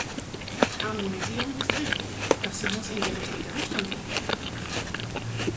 Harmonisierung ist richtig, doch sie muss in die richtige Richtung gehen.